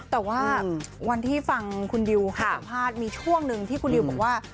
แต่ว่าวันที่ฟังคุณดิวมีช่วงนึงที่คุณดิวบอกว่า